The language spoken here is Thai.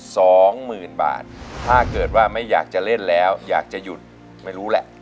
สองหมื่นบาทถ้าเกิดว่าไม่อยากจะเล่นแล้วอยากจะหยุดไม่รู้แหละ